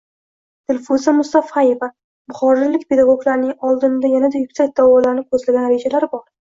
Dilfuza Mustafayeva: Buxorolik pedagoglarning oldinda yanada yuksak dovonlarni ko‘zlagan rejalari bor